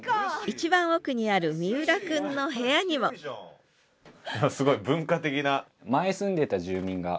一番奥にある三浦くんの部屋にもすごい文化的な。